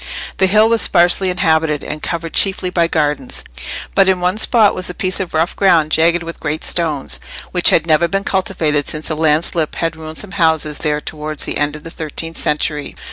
The hill was sparsely inhabited, and covered chiefly by gardens; but in one spot was a piece of rough ground jagged with great stones, which had never been cultivated since a landslip had ruined some houses there towards the end of the thirteenth century.